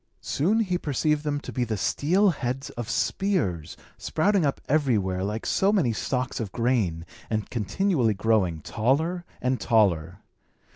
Soon he perceived them to be the steel heads of spears, sprouting up everywhere like so many stalks of grain, and continually growing taller and taller.